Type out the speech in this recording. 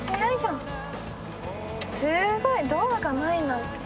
すごい！ドアがないなんて。